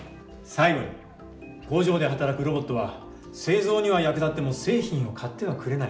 最後に工場で働くロボットは製造には役立っても製品を買ってはくれない。